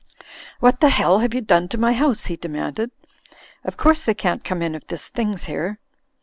"What the hell have you done to my house?" he demanded. "Of course they can't come in if this thing's here."